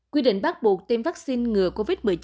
quy định bắt buộc tiêm vaccine ngừa covid một mươi chín